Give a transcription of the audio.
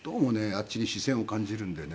あっちに視線を感じるんでね